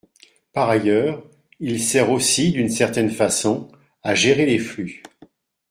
Par ailleurs, il sert aussi, d’une certaine façon, à gérer les flux.